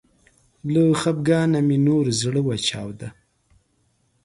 له خفګانه مې نور زړه وچاوده